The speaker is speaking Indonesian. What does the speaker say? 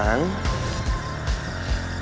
dan kalau misalnya saya menang